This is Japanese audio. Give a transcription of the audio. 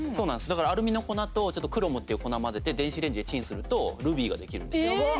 だからアルミの粉とちょっとクロムっていう粉を混ぜて電子レンジでチンするとルビーができるんですよ。